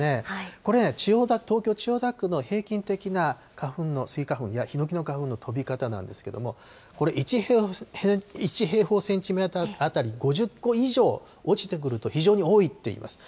これね、東京・千代田区の平均的な花粉の、スギ花粉やヒノキの花粉の飛び方なんですけれども、これ、１平方センチメートル当たり５０個以上落ちてくると非常に多いっていいます。